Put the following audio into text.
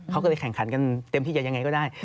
เขาก็เลยแข่งขันกันเต็มที่จะยังไงก็ได้